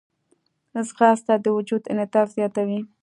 ځغاسته د وجود انعطاف زیاتوي